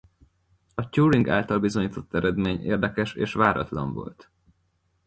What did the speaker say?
A Turing által bizonyított eredmény érdekes és váratlan volt.